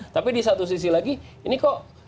tapi di satu sisi lagi ini kok